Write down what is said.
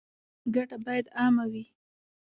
ګټه باید عامه وي